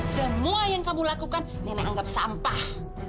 semua yang kamu lakukan nenek anggap sampah